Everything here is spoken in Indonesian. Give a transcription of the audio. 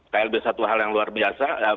klb satu hal yang luar biasa